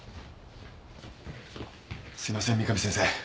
すいません三上先生。